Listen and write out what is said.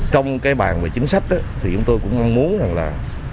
trong cái bàn về chính sách thì chúng tôi cũng mong muốn rằng là